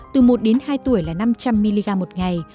từ một đến hai tuổi là năm trăm linh mg một ngày